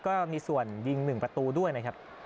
ก็มีส่วนยิง๑ประตูด้วยนะครับ